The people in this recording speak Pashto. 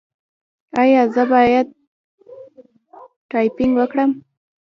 ایا زه باید ټایپینګ وکړم؟